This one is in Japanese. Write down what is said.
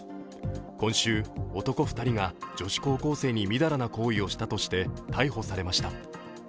今週、男２人が女子高校生にみだらな行為をしたとして逮捕されました。